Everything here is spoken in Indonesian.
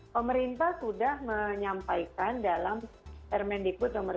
pemerintah sudah menyampaikan dalam hermen dikbud nomor tujuh